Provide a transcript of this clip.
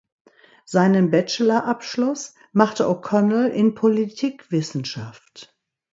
Seinen Bachelorabschluss machte O’Connell in Politikwissenschaft.